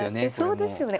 そうですよね。